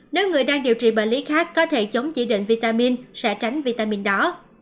nếu người đang điều trị bệnh lý khác có thể chống chỉ định vitamin sẽ tránh vitamin đó